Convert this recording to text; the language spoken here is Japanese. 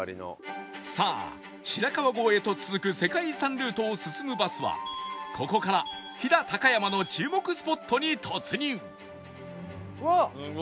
さあ白川郷へと続く世界遺産ルートを進むバスはここから飛騨高山の注目スポットに突入